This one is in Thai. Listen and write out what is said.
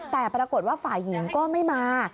แต่ปรากฏว่าฝ่ายหญิงก็ไม่มา